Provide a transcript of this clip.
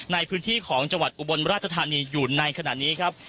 ในพื้นที่ของจังหวัดอุบลราชธานีอยู่ในขณะนี้ครับ